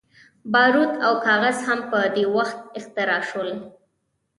باروت او کاغذ هم په دې وخت کې اختراع شول.